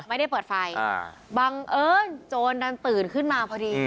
ไม่ได้เปิดไฟบังเอิญโจรดันตื่นขึ้นมาพอดี